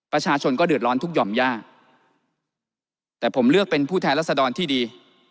ประชาชนก็เดือดร้อนทุกหย่อมย่าแต่ผมเลือกเป็นผู้แทนรัศดรที่ดี